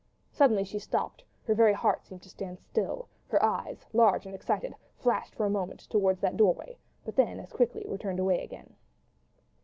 Suddenly she stopped: her very heart seemed to stand still, her eyes, large and excited, flashed for a moment towards that doorway, then as quickly were turned away again.